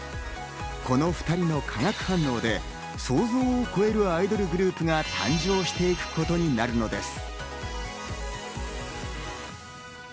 この２人の化学反応で想像を超えるアイドルグループが誕生していくことになるのです。